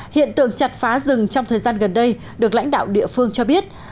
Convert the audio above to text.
hiện tượng chặt phá rừng trong thời gian gần đây được lãnh đạo địa phương cho biết